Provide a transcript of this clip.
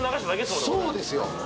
そうですよ